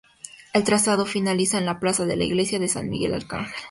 El trazado finaliza en la plaza de la Iglesia de San Miguel Arcángel.